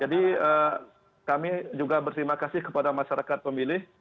jadi kami juga berterima kasih kepada masyarakat pemilih